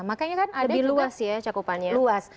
lebih luas sih cakupannya